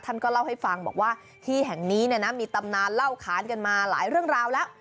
ท่านก็เล่าให้ฟังบอกว่าที่แห่งนี้มีตำนานเล่าขานกันมาหลายเรื่องราวแล้ว